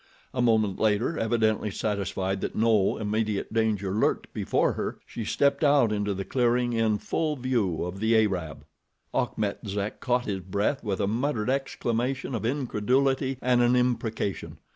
A moment later, evidently satisfied that no immediate danger lurked before her, she stepped out into the clearing in full view of the Arab. Achmet Zek caught his breath with a muttered exclamation of incredulity and an imprecation.